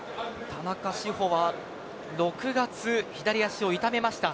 田中志歩は６月、左足を痛めました。